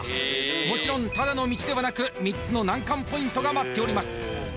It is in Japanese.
もちろんただの道ではなく３つの難関ポイントが待っております